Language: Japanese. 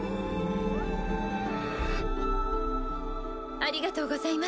ありがとうございます